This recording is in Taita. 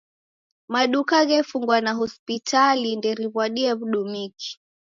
Maduka ghefungwa na hospitali nderiw'adie w'udumiki.